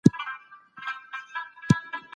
سينټ اګوستين يو مشهور مسيحي عالم و.